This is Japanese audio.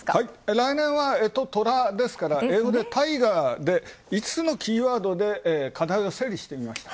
来年は干支、トラですから英語でＴＩＧＥＲ、５つのキーワードで課題を整理してみました。